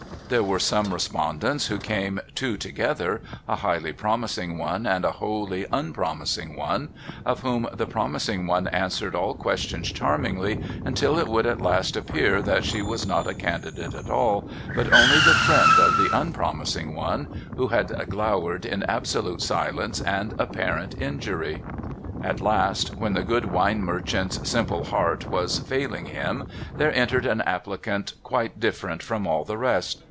There were some respondents who came two together, a highly promising one and a wholly unpromising one : of whom the promising one answered all questions charmingly, until it would at last appear that she was not a cawdidate at all, but only the friend of the unpromising one, who had glowered in absolute silence and apparent injury. At last, when the good wine merchant's simple heart was failing him, there entered an applicant quite different from all the rest.